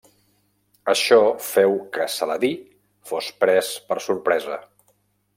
Això feu que Saladí fos pres per sorpresa.